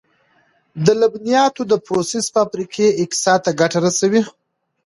د لبنیاتو د پروسس فابریکې اقتصاد ته ګټه رسوي.